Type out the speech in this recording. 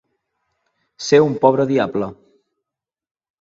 Ser un pobre diable.